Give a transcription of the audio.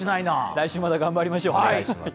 来週また頑張りましょう。